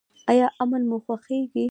ایا امن مو خوښیږي؟